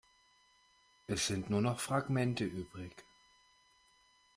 Es sind nur noch Fragmente übrig.